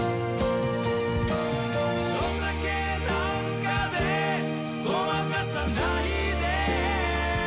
「お酒なんかでごまかさないで」